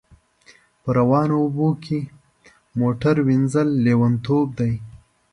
په روانو اوبو کښی موټر وینځل لیونتوب دی